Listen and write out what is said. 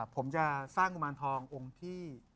ผมจะสร้างกุมารทององค์ที่